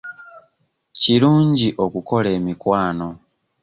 Kirungi okukola emikwano.